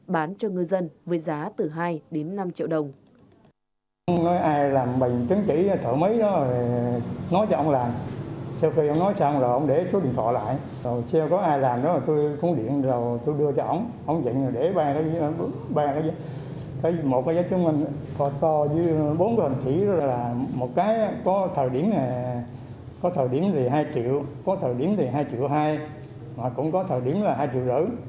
bán cho người dân với giá từ hai đến năm triệu đồng